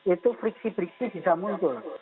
itu friksi friksi bisa muncul